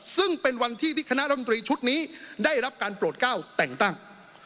ซึ่งเป็นวันที่ที่คณะรัฐมนตรีชุดนี้ได้รับการโปรดก้าวแต่งตั้ง